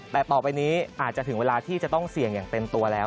แต่ต่อไปนี้อาจจะถึงเวลาที่จะต้องเสี่ยงอย่างเต็มตัวแล้ว